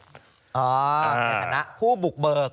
ในฐานะผู้บุกเบิก